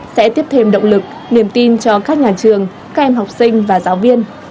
sẽ tiếp thêm động lực niềm tin cho các nhà trường các em học sinh và giáo viên